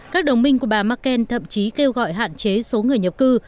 các đồng minh của bà merkel thậm chí kêu gọi hạn chế số người nhập cư